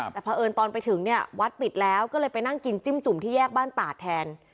แต่พอเอิญตอนไปถึงเนี่ยวัดปิดแล้วก็เลยไปนั่งกินจิ้มจุ่มที่แยกบ้านตาดแทน